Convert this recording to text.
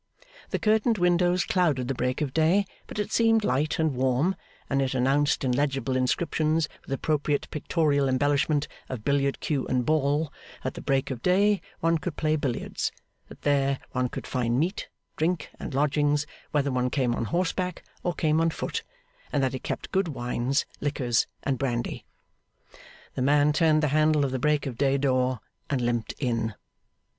The curtained windows clouded the Break of Day, but it seemed light and warm, and it announced in legible inscriptions with appropriate pictorial embellishment of billiard cue and ball, that at the Break of Day one could play billiards; that there one could find meat, drink, and lodgings, whether one came on horseback, or came on foot; and that it kept good wines, liqueurs, and brandy. The man turned the handle of the Break of Day door, and limped in.